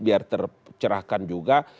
biar tercerahkan juga